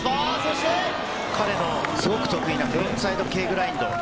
彼のすごく得意なフロントサイドＫグラインド。